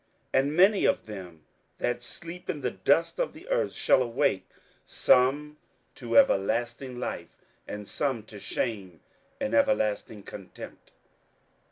27:012:002 And many of them that sleep in the dust of the earth shall awake, some to everlasting life, and some to shame and everlasting contempt.